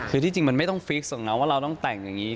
คือที่จริงมันไม่ต้องฟิกส่งนะว่าเราต้องแต่งอย่างนี้